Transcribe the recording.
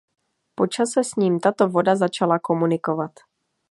Po čase s ním tato voda začala komunikovat.